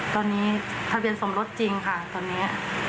ตอนนี้ทะเบียนสมรสจริงค่ะตอนนี้